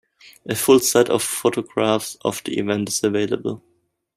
A full set of photographs of the event is available.